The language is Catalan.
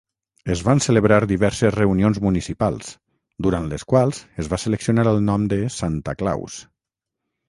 Es van celebrar diverses reunions municipals, durant les quals es va seleccionar el nom de "Santa Claus".